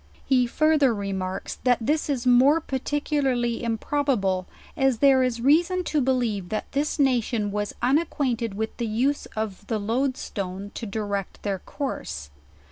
He further remarks, that this is more particularly improbablej as there is reason to be lieve, that this nation was unacquainted with the use of the loadstone to direct their course.